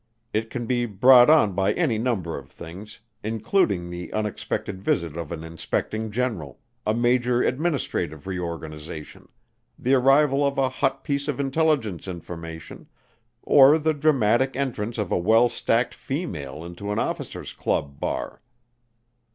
It can be brought on by any number of things, including the unexpected visit of an inspecting general, a major administrative reorganization, the arrival of a hot piece of intelligence information, or the dramatic entrance of a well stacked female into an officers' club bar.